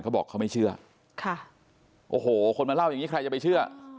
แม่งกุฏเหนียวมาสอนเขาบอกเขาไม่เชื่อ